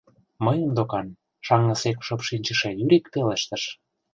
— Мыйын докан, — шаҥгысек шып шинчыше Юрик пелештыш.